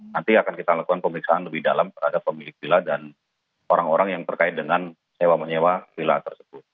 nanti akan kita lakukan pemeriksaan lebih dalam terhadap pemilik vila dan orang orang yang terkait dengan sewa menyewa vila tersebut